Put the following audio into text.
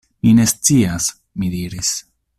Mi ne scias, mi diris.